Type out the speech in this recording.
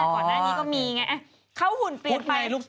ก่อนหน้านี้ก็มีไงเอ๊ะเขาหุ่นเปลี่ยนไปพุทธไง